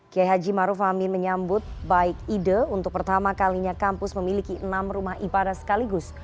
kiai haji maruf amin menyambut baik ide untuk pertama kalinya kampus memiliki enam rumah ibadah sekaligus